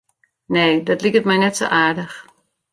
Nee, dat liket my net sa aardich.